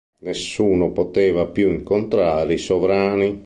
Nessuno poteva più incontrare i sovrani.